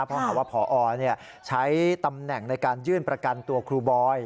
เพราะหาว่าพอใช้ตำแหน่งในการยื่นประกันตัวครูบอย